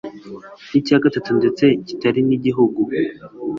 n'icya gatatu ndetse kitari n'igihugu